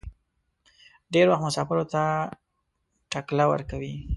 ډېر وخت مسافرو ته ټکله ورکوي.